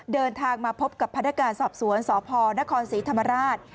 เดินทางมาพบกับพนักการสอบสวนสพนครศรีธรรมราช